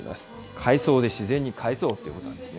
海藻で自然にかえそうってことなんですね。